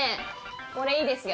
これいいですよ。